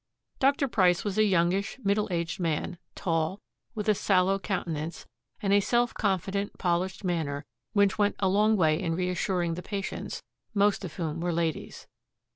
Dr. Price was a youngish, middle aged man, tall, with a sallow countenance and a self confident, polished manner which went a long way in reassuring the patients, most of whom were ladies.